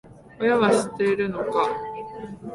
親は知ってるのか？